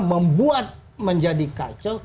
membuat menjadi kacau